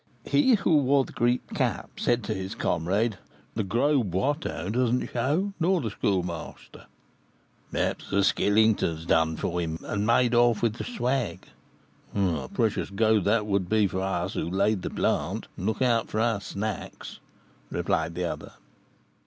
He who wore the Greek cap said to his comrade, "The Gros Boiteux does not 'show,' nor the Schoolmaster." "Perhaps the Skeleton has 'done for him,' and made off with the 'swag.'" "A precious 'go' that would be for us, who 'laid the plant,' and look out for our 'snacks,'" replied the other.